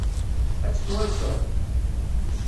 Ad tt-twanseḍ?